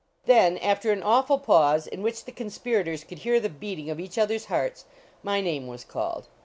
Then, after an awful pause, in which the conspirators could hear the beating of each other s hearts, my name was called.